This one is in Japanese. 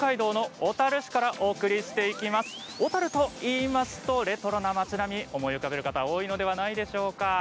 小樽といいますとレトロな町並み思い浮かべる方多いのではないでしょうか。